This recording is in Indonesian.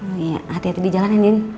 iya hati hati di jalan nen